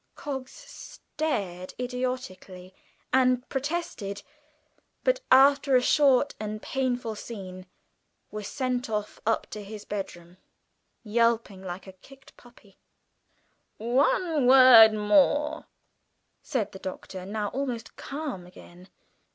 Coggs stared idiotically and protested, but after a short and painful scene, was sent off up to his bedroom, yelping like a kicked puppy. "One word more," said the Doctor, now almost calm again.